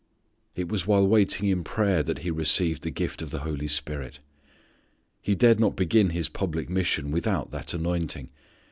It was while waiting in prayer that He received the gift of the Holy Spirit. He dared not begin His public mission without that anointing.